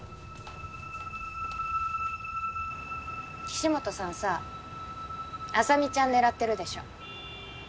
岸本さんさあさみちゃん狙ってるでしょ？